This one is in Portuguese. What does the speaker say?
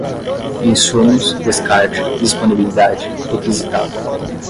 insumos, descarte, disponibilidade, requisitado